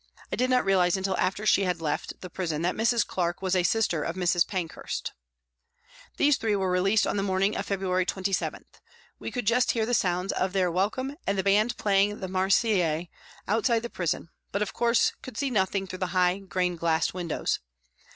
I did not realise until after she had left the prison that Mrs. Clarke was a sister of Mrs. Pankhurst.* These three were released on the morning of February 27. We could just hear the sounds of their welcome and the band playing the Marseillaise outside the prison, but, of course, could see nothing through the high, grained glass windows.